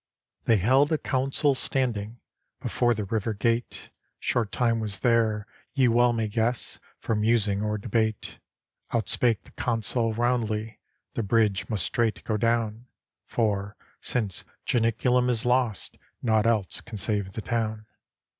They held a council standing Before the River Gate; Short time was there, ye well may guess, For musing or debate. Out spake the Consul roundly: "The bridge must straight go down; For, since Janiculum is lost. Naught else can save the town."